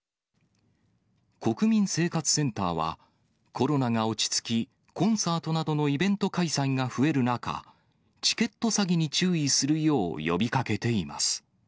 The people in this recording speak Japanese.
国民生活センターは、コロナが落ち着き、コンサートなどのイベント開催が増える中、チケット詐欺に注意するよう呼びかけています。